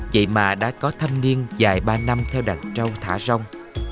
vậy mà đã có thâm niên dài ba năm theo đoàn trâu thả rong